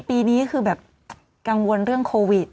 ปีนี้คือแบบกังวลเรื่องโควิด